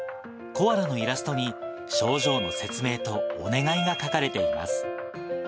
コアラのイラストに症状の説明とお願いが書かれています。